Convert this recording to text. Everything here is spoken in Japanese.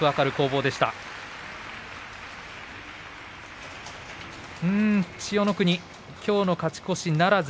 うーん、千代の国はきょうの勝ち越しならず。